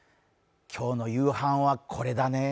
今日の夕飯は、これだね。